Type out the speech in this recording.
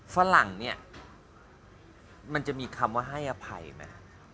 ฝรั่งเนี่ยมันจะมีคำว่าให้อภัยไหม